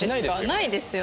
ないですよね？